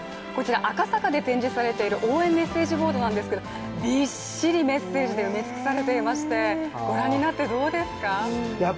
赤坂で展示されている応援メッセージボードなんですけど、びっしりメッセージで埋め尽くされていましてご覧になってどうですか。